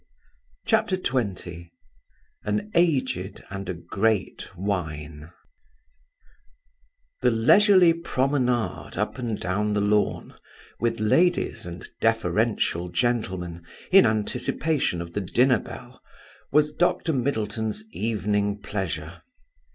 CHAPTER XX AN AGED AND A GREAT WINE THE leisurely promenade up and down the lawn with ladies and deferential gentlemen, in anticipation of the dinner bell, was Dr. Middleton's evening pleasure.